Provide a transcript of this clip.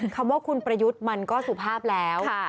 คำว่าคุณประยุทธ์มันก็สุภาพแล้ว